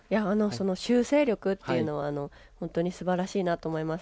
修正力は本当にすばらしいなと思います。